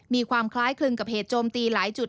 มีความคล้ายคลึงกับเหตุโจมตีหลายจุด